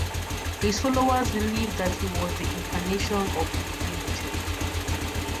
His followers believe that he was the incarnation of the divinity.